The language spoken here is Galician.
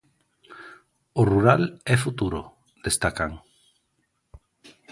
O rural é futuro, destacan.